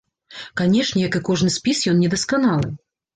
Канешне, як і кожны спіс, ён недасканалы.